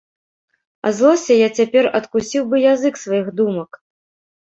Ад злосці я цяпер адкусіў бы язык сваіх думак.